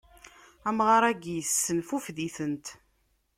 Amɣaṛ-agi issenfufud-itent.